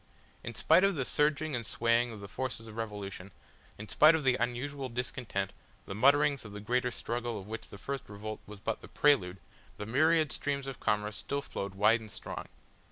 In spite of the surging and swaying of the forces of revolution, in spite of the unusual discontent, the mutterings of the greater struggle of which the first revolt was but the prelude, the myriad streams of commerce still flowed wide and strong.